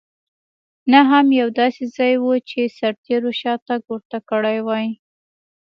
نه هم یو داسې ځای و چې سرتېرو شاتګ ورته کړی وای.